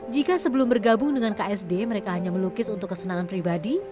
jika sebelum bergabung dengan ksd mereka hanya melukis untuk kesenangan pribadi